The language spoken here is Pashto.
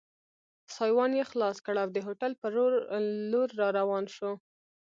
سایوان یې خلاص کړ او د هوټل په لور را روان شو.